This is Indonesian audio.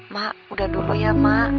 mak udah dulu ya mak